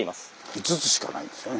５つしかないんですよね。